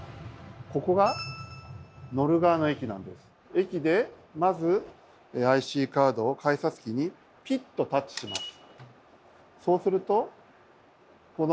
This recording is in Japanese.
駅でまずＩＣカードを改札機にピッとタッチします。